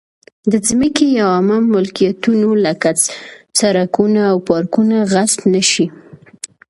د ځمکې یا عامه ملکیتونو لکه سړکونه او پارکونه غصب نه شي.